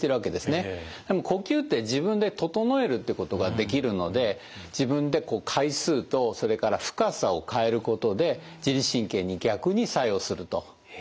でも呼吸って自分で整えるってことができるので自分で回数とそれから深さを変えることで自律神経に逆に作用するということになるんです。